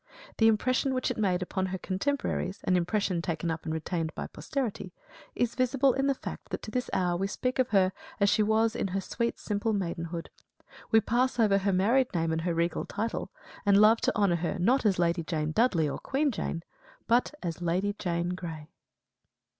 The impression which it made upon her contemporaries, an impression taken up and retained by posterity, is visible in the fact to this hour we speak of her as she was in her sweet simple maidenhood we pass over her married name and her regal title, and love to honour her, not as Lady Jane Dudley, or Queen Jane, but as Lady Jane Grey.